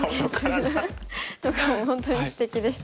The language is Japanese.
本当にすてきでした。